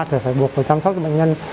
phải buộc chăm sóc cho bệnh nhân